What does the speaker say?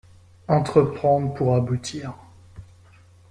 Entreprendre pour aboutir